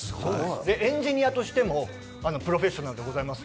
エンジニアとしてもプロフェッショナルでございます。